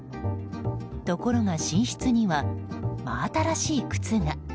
ところが寝室には真新しい靴が。